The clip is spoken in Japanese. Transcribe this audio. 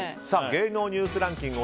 芸能ニュースランキング